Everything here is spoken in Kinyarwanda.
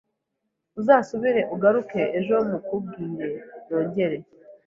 Uzasubire ugaruke ejo Mukubwire nongere